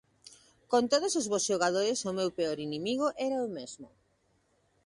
Como todos os bos xogadores o meu peor inimigo era eu mesmo.